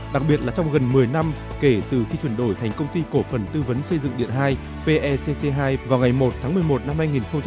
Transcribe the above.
đặc biệt là trong gần một mươi năm kể từ khi chuyển đổi thành công ty cổ phần tư vấn xây dựng điện hai pecc hai vào ngày một tháng một mươi một năm hai nghìn một mươi chín